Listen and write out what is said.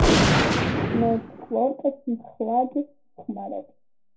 ნორჩ ყლორტებს მხალად ხმარობენ.